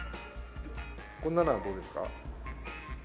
こんなのはどうですか？